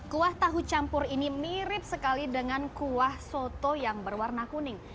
kuah tahu campur ini mirip sekali dengan kuah soto yang berwarna kuning